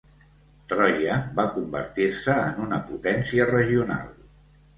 Troia va convertir-se en una potència regional.